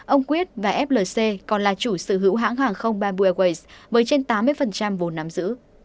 ông quyết và flc còn là chủ sở hữu hãng hàng không bamboo airways với trên tám mươi vốn nắm giữ